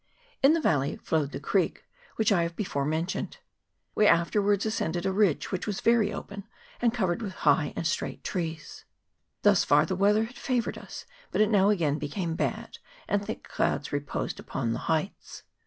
In the valley flowed the creek which I have before mentioned. We afterwards ascended a ridge which was very open, and covered with high ana* straight trees. Thus far the weather had favoured us, but it now again became bad, and thick clouds reposed upon the heights.